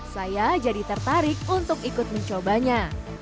saya jadi tertarik untuk ikut mencobanya